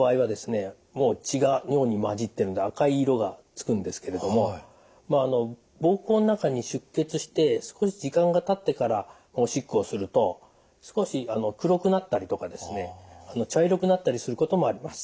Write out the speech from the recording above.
もう血が尿に混じってるので赤い色がつくんですけれども膀胱の中に出血して少し時間がたってからおしっこをすると少し黒くなったりとかですね茶色くなったりすることもあります。